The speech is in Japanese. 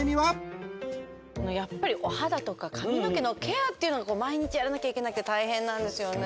やっぱりお肌とか髪の毛のケアっていうのが毎日やらなきゃいけなくて大変なんですよね。